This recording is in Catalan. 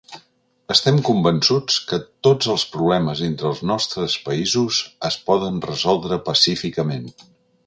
Estem convençuts que tots els problemes entre els nostres països es poden resoldre pacíficament.